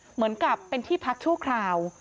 เหมือนกับเป็นที่พักชั่วคราว